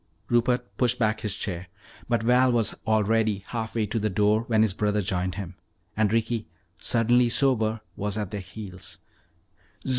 Rupert pushed back his chair. But Val was already half way to the door when his brother joined him. And Ricky, suddenly sober, was at their heels.